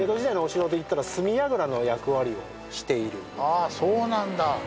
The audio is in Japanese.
あっそうなんだ。